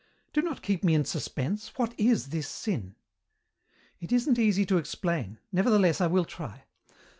"Do not keep me in suspense. What is this sin?" "It isn't easy to explain. Nevertheless I will try.